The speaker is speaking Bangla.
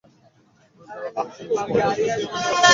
আমি তাঁহার মনীষা ও নিঃস্বার্থ কার্যে উৎসর্গীকৃত জীবন দেখিয়া মুগ্ধ।